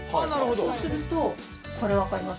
そうするとこれ分かります？